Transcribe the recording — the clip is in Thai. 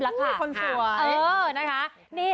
อ่าอยากปัดบ้าง